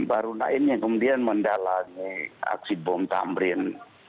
baru naim yang kemudian mendalami aksi bom tamrin